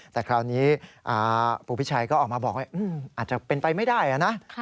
แต่คราวนี้ปู่พิชัยก็ออกมาบอกว่าอาจจะเป็นไปไม่ได้นะ